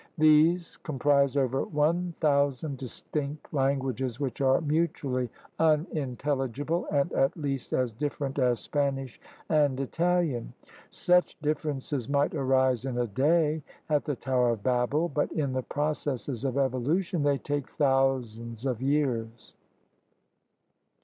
These comprise over one thousand distinct lan guages which are mutually unintelligible and at least as different as Spanish and Italian. Such differences might arise in a day at the Tower of Babel, but in the processes of evolution they take thousands of years.